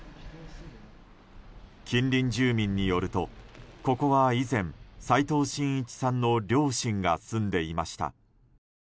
近隣住民によるとここは以前齋藤真一さんの両親が住んでいました。